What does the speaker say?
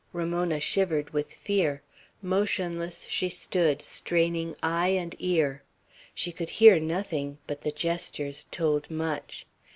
Ramona shivered with fear. Motionless she stood, straining eye and ear; she could hear nothing, but the gestures told much.